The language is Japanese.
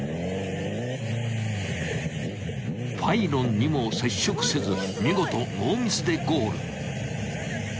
［パイロンにも接触せず見事ノーミスでゴール］